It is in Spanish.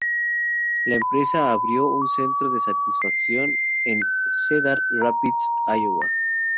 La empresa abrió un centro de satisfacción en Cedar Rapids, Iowa.